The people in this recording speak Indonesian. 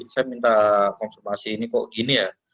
saya minta konfirmasi ini kok gini ya